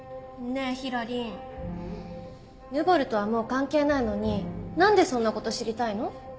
ねえヒラリンヌボルとはもう関係ないのになんでそんな事知りたいの？